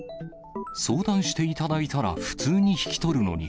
相談していただいたら、普通に引き取るのに。